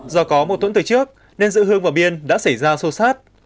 do có một tuần thời trước nên dự hương và biên đã xảy ra sâu sắc